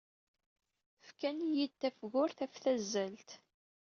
Fkan-iyi-d tafgurt ɣef tazzalt.